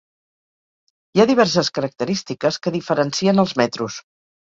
Hi ha diverses característiques que diferencien els metros.